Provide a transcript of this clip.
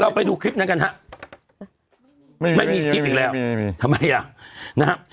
ไปดูคลิปนั้นกันฮะไม่มีคลิปอีกแล้วทำไมอ่ะนะฮะ